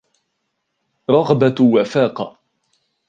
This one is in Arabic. رَغْبَةٌ وَفَاقَةٌ